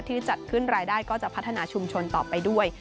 จัดขึ้นรายได้ก็จะพัฒนาชุมชนต่อไปด้วย